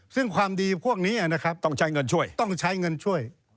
ซึ่งความดีพวกนี้นะครับต้องใช้เงินช่วยต้องใช้เงินช่วย